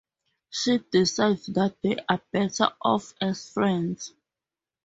She decides that they are better off as friends.